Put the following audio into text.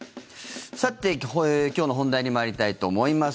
さて、今日の本題に参りたいと思います。